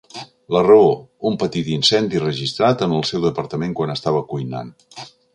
La raó: un petit incendi registrat en el seu departament quan estava cuinant.